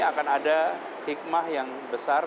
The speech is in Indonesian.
akan ada hikmah yang besar